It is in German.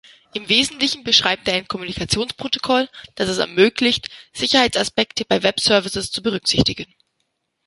Im Wesentlichen beschreibt er ein Kommunikationsprotokoll, das es ermöglicht, Sicherheitsaspekte bei Webservices zu berücksichtigen.